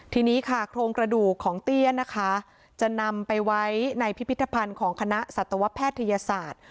ทีนี้ค่ะโครงกระดูกของเตี้ยนะคะจะนำไปไว้ในพิพิธภัณฑ์ของคณะสัตวแพทยศาสตร์